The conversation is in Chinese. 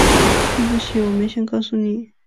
对不起，我没先告诉你